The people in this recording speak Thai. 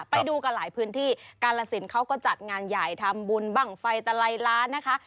ไปดูกันหลายพื้นที่กาลสินเขาก็จัดงานใหญ่ทำบุญบ้างไฟตะไลล้านนะคะ